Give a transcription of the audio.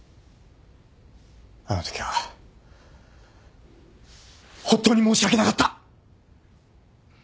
あのときは本当に申し訳なかった。